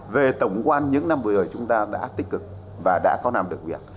về tổng quan những năm vừa rồi chúng ta đã tích cực và đã có làm được việc